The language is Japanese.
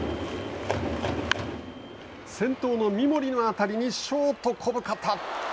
先頭の三森の当たりにショート、小深田。